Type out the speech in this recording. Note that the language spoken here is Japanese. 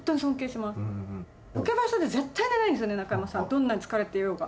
どんなに疲れていようが。